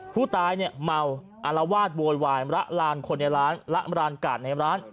ผู้ตายเนี่ยเมาอารวาสโวยวายระลานคนในร้านละรานกาดในร้าน